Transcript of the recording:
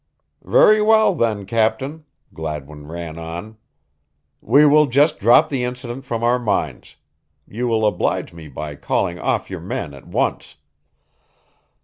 "Very well, then, Captain," Gladwin ran on, "we will just drop the incident from our minds. You will oblige me by calling off your men at once."